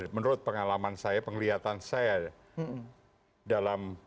menurut pengalaman saya penglihatan saya dalam